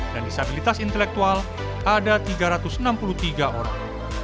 dan disabilitas intelektual ada tiga ratus enam puluh tiga orang